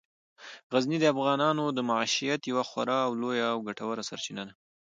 غزني د افغانانو د معیشت یوه خورا لویه او ګټوره سرچینه ده.